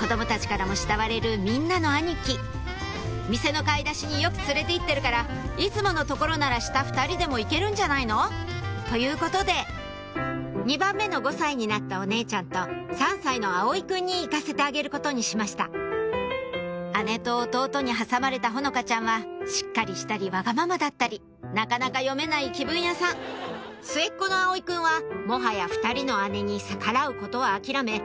子供たちからも慕われるみんなの兄貴「店の買い出しによく連れて行ってるからいつもの所なら下２人でも行けるんじゃないの？」ということで２番目の５歳になったお姉ちゃんと３歳の葵くんに行かせてあげることにしました姉と弟に挟まれたほのかちゃんはしっかりしたりわがままだったりなかなか読めない気分屋さん末っ子の葵くんはもはや２人の姉に逆らうことは諦め